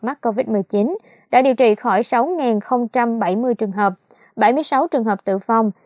mắc covid một mươi chín đã điều trị khỏi sáu bảy mươi trường hợp bảy mươi sáu trường hợp tử vong